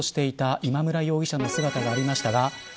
今村容疑者の姿がありましたが。